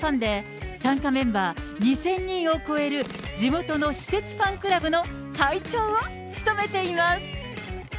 大谷選手が高校生のころからの大ファンで、参加メンバー２０００人を超える地元の私設ファンクラブの会長を務めています。